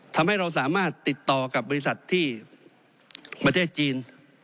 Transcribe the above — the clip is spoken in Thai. ทำให้เราสามารถติดต่อกับบริษัทที่ประเทศจีน